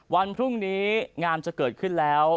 วันพรุ่งนี้งามจะเกิดขึ้นแล้ว